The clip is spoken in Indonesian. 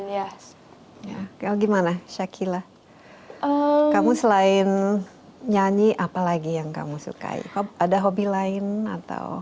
ya kalau gimana shakila kamu selain nyanyi apa lagi yang kamu sukai ada hobi lain atau